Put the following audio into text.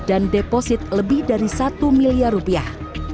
dan deposit lebih dari satu miliar rupiah